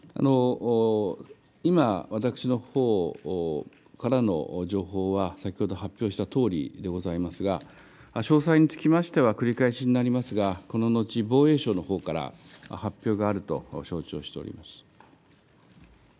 今、私のほうからの情報は、先ほど発表したとおりでございますが、詳細につきましては繰り返しになりますが、この後、防衛省のほうから発表があると承知をしております。